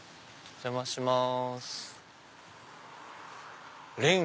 お邪魔します。